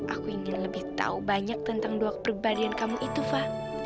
aku ingin lebih tahu banyak tentang dua kepribadian kamu itu fa